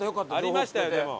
ありましたよでも。